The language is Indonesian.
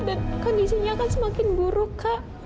dan kondisinya akan semakin buruk kak